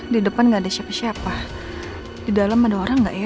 di depan nggak ada siapa siapa di dalam ada orang nggak ya